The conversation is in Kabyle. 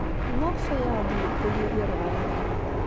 Maɣef ay aɣ-d-yewwi Yidir ɣer da?